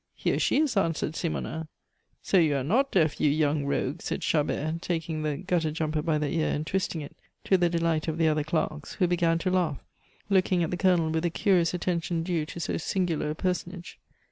"Here she is," answered Simonnin. "So you are not deaf, you young rogue!" said Chabert, taking the gutter jumper by the ear and twisting it, to the delight of the other clerks, who began to laugh, looking at the Colonel with the curious attention due to so singular a personage.